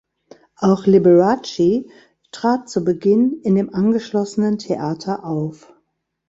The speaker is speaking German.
Auch Liberace trat zu Beginn in dem angeschlossenen Theater auf.